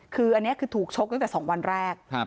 คืออันนี้คือถูกชกตั้งแต่๒วันแรก